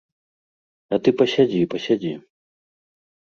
А ты пасядзі, пасядзі.